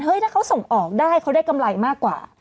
ถ้าเขาส่งออกได้เขาได้กำไรมากกว่า